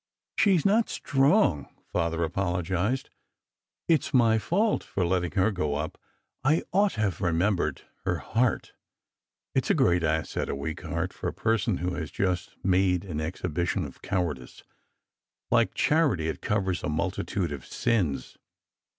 "She s not strong," Father apologized. "It s my fault for letting her go up; I ought to have remembered her heart." It s a great asset, a weak heart, for a person who has just made an exhibition of cowardice. Like charity, it covers a multitude of sins.